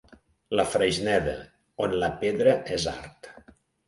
La Freixneda, on la pedra és art.